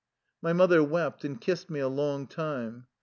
My mother wept, and kissed me a long time.